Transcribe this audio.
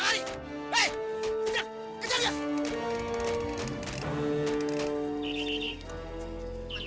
hei jaga kejar dia